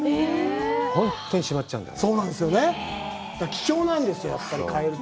本当にしまっちゃうんだよね。